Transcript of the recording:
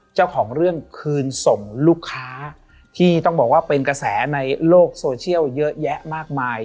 เจ้าของเรื่องคืนส่งลูกค้าที่ต้องบอกว่าเป็นกระแสในโลกโซเชียลเยอะแยะมากมาย